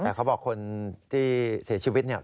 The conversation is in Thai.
แต่เขาบอกคนที่เสียชีวิตเนี่ย